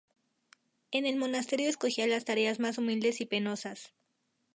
En el monasterio escogía las tareas más humildes y penosas.